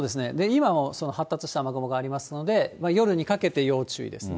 今もその発達した雨雲がありますので、夜にかけて要注意です。